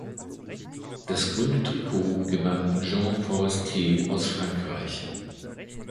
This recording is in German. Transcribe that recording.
Das Grüne Trikot gewann Jean Forestier aus Frankreich.